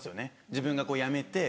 自分が辞めて。